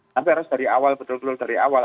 tapi harus dari awal betul betul dari awal